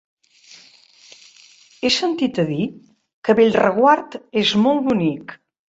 He sentit a dir que Bellreguard és molt bonic.